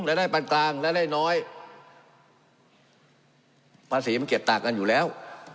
ได้ปันกลางและได้น้อยภาษีมันเก็บต่างกันอยู่แล้ว